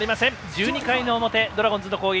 １２回の表、ドラゴンズの攻撃。